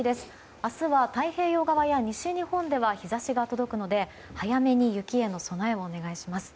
明日は太平洋側や西日本では日差しが届くので早めに雪への備えをお願いします。